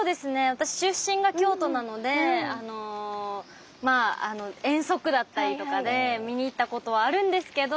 私出身が京都なのでまあ遠足だったりとかで見に行ったことはあるんですけど